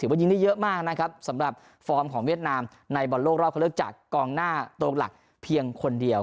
ว่ายิงได้เยอะมากนะครับสำหรับฟอร์มของเวียดนามในบอลโลกรอบเข้าเลือกจากกองหน้าตรงหลักเพียงคนเดียว